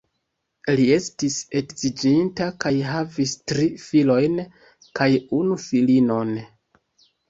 Li estis edziĝinta kaj havis tri filojn kaj unu filinon.